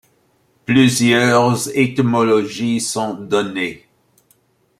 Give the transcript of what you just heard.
Plusieurs étymologies sont données.